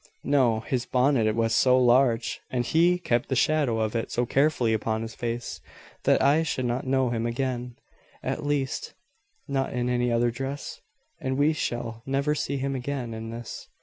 "No: his bonnet was so large, and he kept the shadow of it so carefully upon his face, that I should not know him again at least, not in any other dress; and we shall never see him again in this.